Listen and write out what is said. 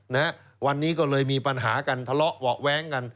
นะฮะวันนี้ก็เลยมีปัญหากันทะเลาะเบาะแว้งกัน